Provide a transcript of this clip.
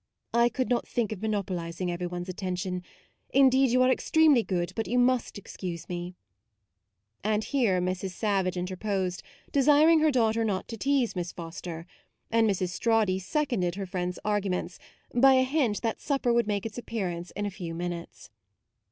" I could not think of monopolising every one's at tention. Indeed you are extremely good, but you must excuse me." And here Mrs. Savage interposed, desiring her daughter not to tease Miss Foster; and Mrs. Strawdy sec onded her friend's arguments by a 62 MAUDE hint that supper would make its ap pearance in a few minutes.